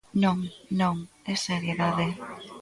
Non, non, é seriedade.